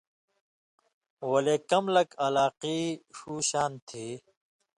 ولے کم لک علاقی ݜُو شان تھی